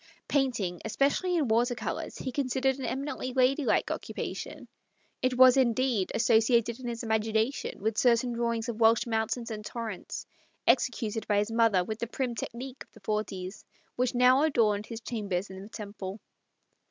Painting, especially in water colours, he considered an eminently ladylike occupation; it was, indeed, associated in his imagination with certain drawings of Welsh mountains and torrents, executed by his mother with the prim technique of the forties, which now ndorned his chambers in the Temple.